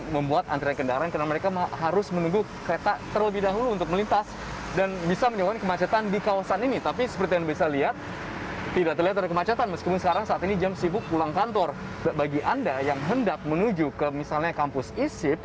meskipun sekarang saat ini jam sibuk pulang kantor bagi anda yang hendak menuju ke misalnya kampus isip